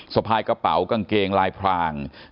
สะพายกระเป๋ากางเกงลายพราง